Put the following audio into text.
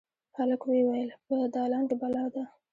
هلک ویې ویل: «په دالان کې بلا ده.»